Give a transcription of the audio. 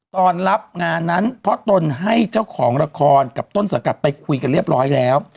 ตอนรับงานนั้นเพราะตนให้เจ้าของละครกับต้นสังกัดไปคุยกันเรียบร้อยแล้ว